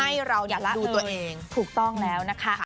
ให้เราอย่าละดูตัวเองถูกต้องแล้วนะคะ